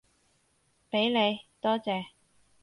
畀你，多謝